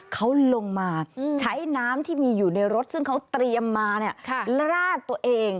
เขาลงมาใช้น้ำที่มีอยู่ในรถซึ่งเขาเตรียมมาลาดตัวเอง